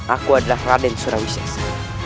aku adalah raden surawisasa